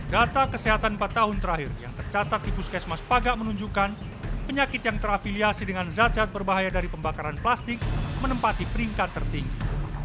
data kesehatan empat tahun terakhir yang tercatat di puskesmas paga menunjukkan penyakit yang terafiliasi dengan zat zat berbahaya dari pembakaran plastik menempati peringkat tertinggi